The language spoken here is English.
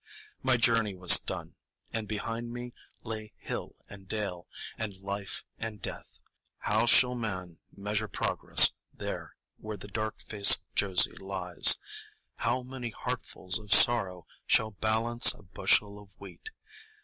My journey was done, and behind me lay hill and dale, and Life and Death. How shall man measure Progress there where the dark faced Josie lies? How many heartfuls of sorrow shall balance a bushel of wheat?